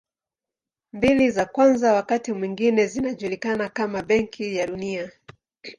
Mbili za kwanza wakati mwingine zinajulikana kama Benki ya Dunia.